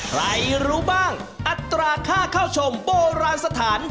รู้บ้างอัตราค่าเข้าชมโบราณสถาน